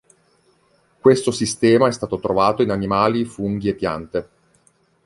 Questo sistema è stato trovato in animali, funghi e piante.